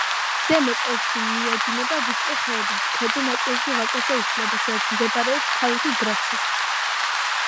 ზემო წელში მიედინება ვიწრო ხეობაში, ქვედა ნაწილში ვაკეზე იშლება, სადაც მდებარეობს ქალაქი გრაცი.